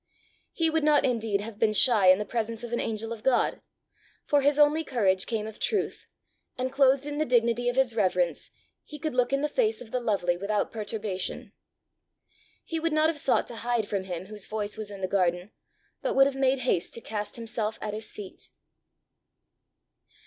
He would not indeed have been shy in the presence of an angel of God; for his only courage came of truth, and clothed in the dignity of his reverence, he could look in the face of the lovely without perturbation. He would not have sought to hide from him whose voice was in the garden, but would have made haste to cast himself at his feet.